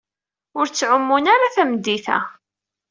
Ur ttɛumun ara tameddit-a.